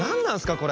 これ。